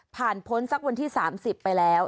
ผ่านพ้นสักวันที่สามสิบไปแล้ว